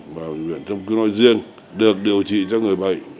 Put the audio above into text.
và bệnh viện châm cứu nói riêng được điều trị cho người bệnh